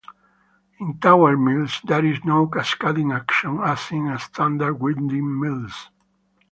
In tower mills, there is no cascading action as in standard grinding mills.